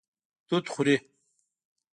توت خوري